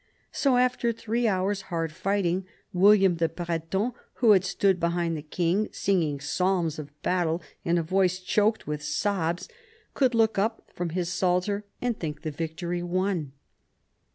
So after three hours' hard fighting William the Breton, who had stood behind the king singing psalms of battle in a voice choked with sobs, could look up from his psalter and think the victory won.